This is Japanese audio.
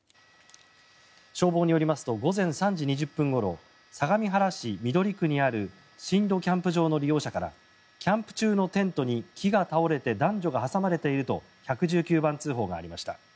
消防によりますと午前３時２０分ごろ相模原市緑区にある新戸キャンプ場の利用者からキャンプ中のテントに木が倒れて男女が挟まれていると１１９番通報がありました。